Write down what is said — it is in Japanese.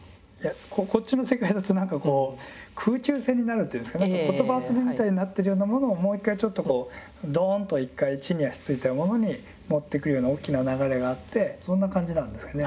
こっちの世界だと何かこう空中戦になるっていうんですか言葉遊びみたいになってるようなものをもう一回ちょっとこうドーンと一回地に足ついたものに持ってくような大きな流れがあってそんな感じなんですかね。